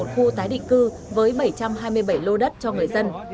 một mươi một khu tái định cư với bảy trăm hai mươi bảy lô đất cho người dân